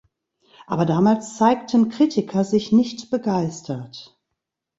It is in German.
Aber damals zeigten Kritiker sich nicht begeistert.